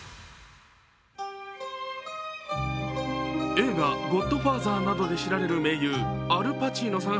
映画「ゴッドファーザー」などで知られる名優アル・パチーノさん